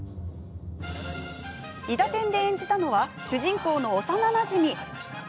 「いだてん」で演じたのは主人公の幼なじみ。